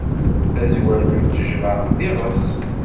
Tazwert n ttejṛa, d iɣes.